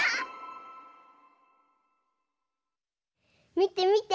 みてみて。